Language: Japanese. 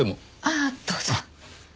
ああどうぞ。